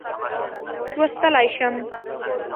لوستلای شم.